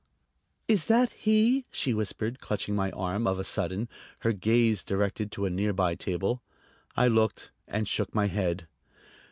"Is that he?" she whispered, clutching my arm of a sudden, her gaze directed to a near by table. I looked and shook my head.